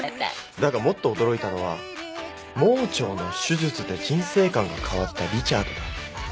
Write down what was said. だがもっと驚いたのは盲腸の手術で人生観が変わったリチャードだ。